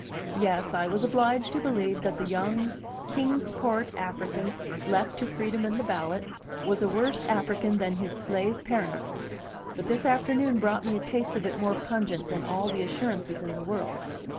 Yes, I was obliged to believe that the young Kings Port African left to freedom and the ballot, was a worse African than his slave parents; but this afternoon brought me a taste of it more pungent than all the assurances in the world.